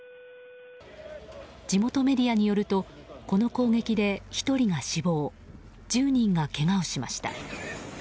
地元メディアによるとこの攻撃で１人が死亡１０人がけがをしました。